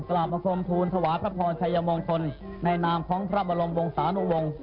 กลับมาคมทูลถวายพระพรชัยมงคลในนามของพระบรมวงศานุวงศ์